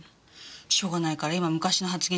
しょうがないから今昔の発言